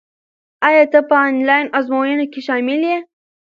ایا ته په انلاین ازموینه کې شامل یې؟